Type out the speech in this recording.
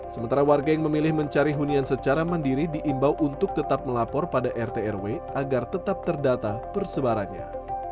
sementara warga yang memilih mencari hunian secara mandiri diimbau untuk tetap melapor pada rt rw agar tetap terdata persebarannya